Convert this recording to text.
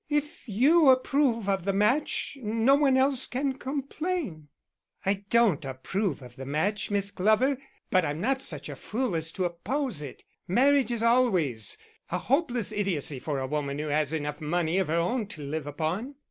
"If you approve of the match no one else can complain." "I don't approve of the match, Miss Glover, but I'm not such a fool as to oppose it. Marriage is always a hopeless idiocy for a woman who has enough money of her own to live upon."